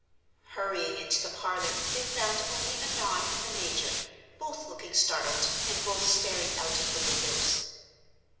Hurrying into the parlor, they found only Annon and the major, both looking startled, and both staring out of the windows.